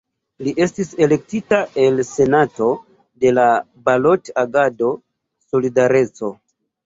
Li estis elektita al Senato de la Balot-Agado "Solidareco".